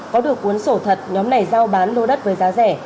có được cuốn sổ thật nhóm này giao bán lô đất với giá rẻ